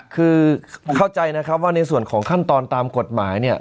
คือเข้าใจนะครับว่าในส่วนของขั้นตอนตามกฎหมายเนี่ย